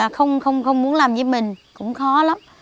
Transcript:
không muốn làm với mình cũng khó lắm